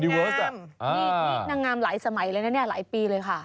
นี่นางงามหลายสมัยเลยนะเนี่ยหลายปีเลยค่ะ